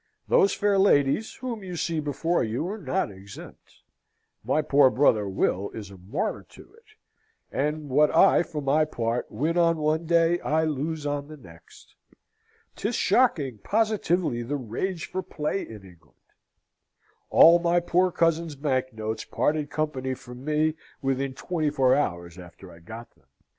Those fair ladies whom you see before you are not exempt. My poor brother Will is a martyr to it; and what I, for my part, win on one day, I lose on the next. 'Tis shocking, positively, the rage for play in England. All my poor cousin's bank notes parted company from me within twenty four hours after I got them."